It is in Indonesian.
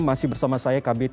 masih bersama saya kabit